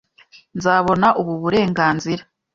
Nzabona ubu burenganzira